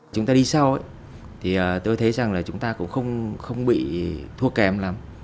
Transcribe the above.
chúng ta đi sau tôi thấy rằng chúng ta cũng không bị thua kém lắm